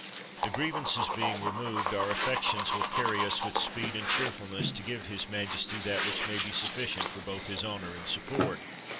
The grievances being removed, our affections will carry us with speed and cheer fulness, to give his majesty that which may be sufficient both for his honor and support.